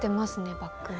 バッグの。